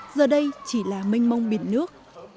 giờ đây chỉ là minh mông biển nước